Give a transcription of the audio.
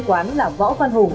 quán là võ văn hùng